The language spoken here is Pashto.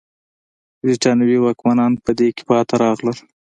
برېټانوي واکمنان په دې کې پاتې راغلل.